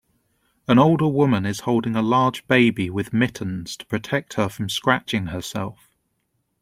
An older woman is holding a large baby with mittens to protect her from scratching herself.